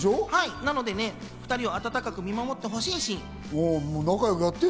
なので２人を温かく見守ってほしいだしん！